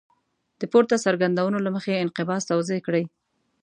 د پورته څرګندونو له مخې انقباض توضیح کړئ.